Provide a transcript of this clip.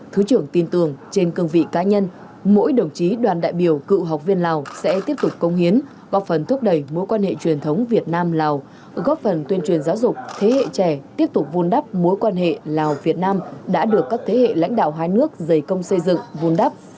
thứ trưởng tin tưởng trên cương vị cá nhân mỗi đồng chí đoàn đại biểu cựu học viên lào sẽ tiếp tục công hiến góp phần thúc đẩy mối quan hệ truyền thống việt nam lào góp phần tuyên truyền giáo dục thế hệ trẻ tiếp tục vun đắp mối quan hệ lào việt nam đã được các thế hệ lãnh đạo hai nước dày công xây dựng vun đắp